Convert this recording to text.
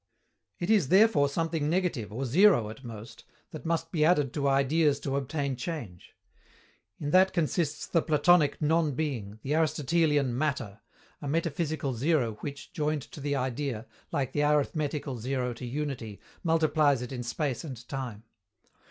It is therefore something negative, or zero at most, that must be added to Ideas to obtain change. In that consists the Platonic "non being," the Aristotelian "matter" a metaphysical zero which, joined to the Idea, like the arithmetical zero to unity, multiplies it in space and time.